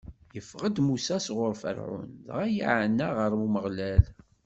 Iffeɣ-d Musa sɣur Ferɛun, dɣa iɛenna ɣer Umeɣlal.